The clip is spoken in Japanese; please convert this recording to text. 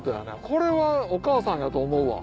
これはお母さんやと思うわ。